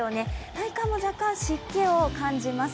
体感も若干湿気を感じます。